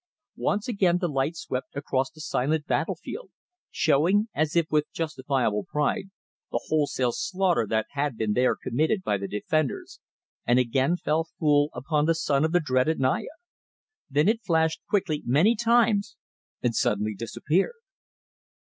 Once again the light swept across the silent battle field, showing, as if with justifiable pride, the wholesale slaughter that had been there committed by the defenders, and again fell full upon the son of the dreaded Naya. Then it flashed quickly many times and suddenly disappeared.